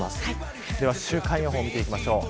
では、週間予報を見ていきましょう。